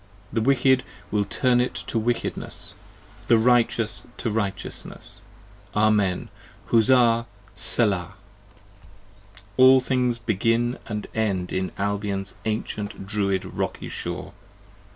The Wicked will turn it to Wickedness, the Righteous to Righteousness. Amen! Huzza! Selah! " All things Begin & End in Albion's Ancient Druid Rocky Shore."